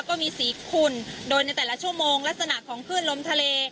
ก็มีสีขุ่นโดยในแต่ละชั่วโมงลักษณะของคลื่นลมทะเล